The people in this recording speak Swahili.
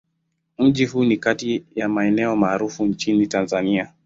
Mji huu ni kati ya maeneo maarufu nchini Tanzania.